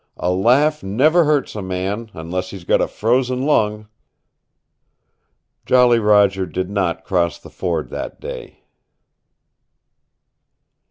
A laugh never hurts a man, unless he's got a frozen lung." Jolly Roger did not cross the ford that day.